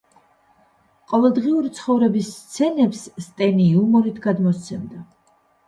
ყოველდღიური ცხოვრების სცენებს სტენი იუმორით გადმოსცემდა.